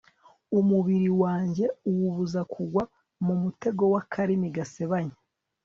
umubiri wanjye uwubuza kugwa mu mutego w'akarimi gasebanya